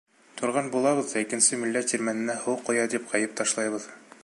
Торған булабыҙ ҙа икенсе милләт тирмәненә һыу ҡоя тип ғәйеп ташлайбыҙ.